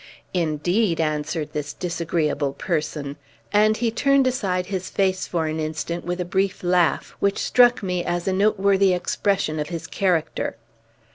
"Indeed!" answered this disagreeable person; and he turned aside his face for an instant with a brief laugh, which struck me as a noteworthy expression of his character.